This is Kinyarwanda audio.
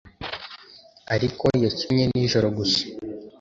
Ariko yakinnye nijoro gusa